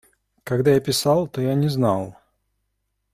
Когда я писал, то я не знал.